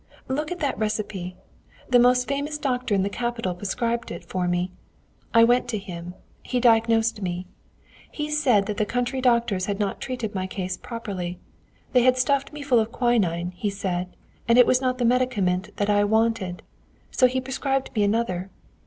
Look at that recipe. The most famous doctor in the capital prescribed it for me. I went to him, he diagnosed me. He said that the country doctors had not treated my case properly. They had stuffed me full of quinine, he said, and it was not the medicament that I wanted. So he prescribed me another.